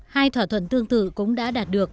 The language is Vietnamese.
hai thỏa thuận tương tự cũng đã đạt được